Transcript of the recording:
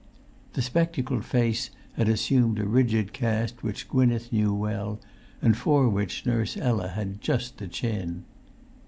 The spectacled face had assumed a rigid cast which Gwynneth knew well, and for which Nurse Ella had just the chin.